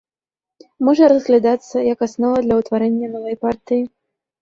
Можа разглядацца як аснова для ўтварэння новай партыі.